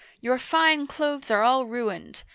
Your fine clothes are all ruined.